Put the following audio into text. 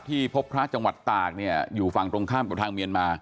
ที่พบพระจังหวัดตากเนี่ยอยู่ฝั่งตรงข้ามกับทางเมียนมา